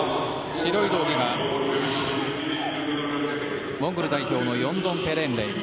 白い道着がモンゴル代表のヨンドンペレンレイ。